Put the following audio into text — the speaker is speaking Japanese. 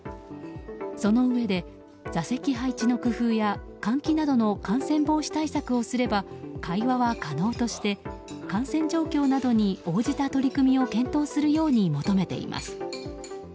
そのうえで座席配置の工夫や換気などの感染防止対策をすれば会話は可能として感染状況などに応じた取り組みを検討するように求めています。